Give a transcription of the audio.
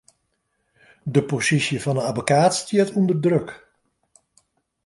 De posysje fan 'e abbekaat stiet ûnder druk.